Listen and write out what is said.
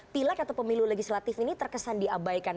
pileg atau pemilu legislatif ini terkesan diabaikan